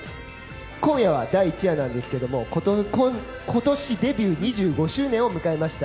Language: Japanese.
今夜は第１夜なんですが今年デビュー２５周年を迎えました